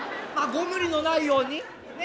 ご無理のないように。